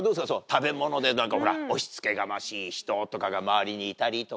食べ物で押しつけがましい人とかが周りにいたりとか。